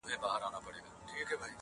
بغاوت دی سرکښي ده، زندگي د مستۍ نوم دی